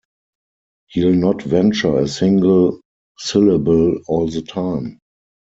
He’ll not venture a single syllable all the time!